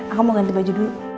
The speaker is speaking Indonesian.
aku mau ganti baju dulu